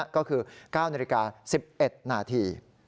ก็คือ๙นาที๑๑นาที